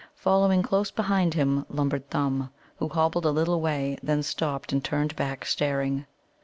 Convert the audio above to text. Following close behind him lumbered Thumb, who hobbled a little way, then stopped and turned back, staring.